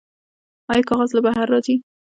آیا کاغذ له بهر راځي؟